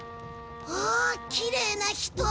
わあきれいな人。